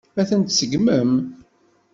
Ad tent-tseggmem?